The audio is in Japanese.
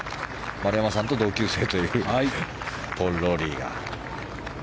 丸山さんと同級生というポール・ローリー。